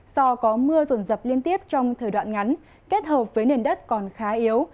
do có mưa ruộng dập liên tiếp trong thời đoạn ngắn kết hợp với nền đất còn khá yếu